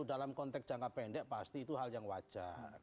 dalam konteks jangka pendek pasti itu hal yang wajar